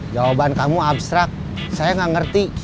jawaban kamu abstrak saya gak ngerti